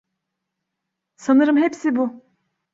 Sanırım hepsi bu.